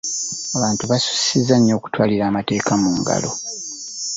abantu basusizza nnyo okutwalira amateeka mu ngalo.